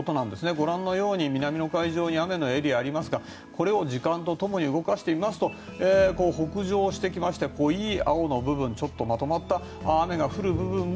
ご覧のように南の海上に雨のエリアがありますがこれを時間とともに動かしてみますと北上してきまして濃い青の部分ちょっとまとまった雨が降る部分も